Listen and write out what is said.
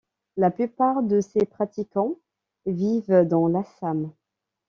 La plupart de ses pratiquants vivent dans l’Assam.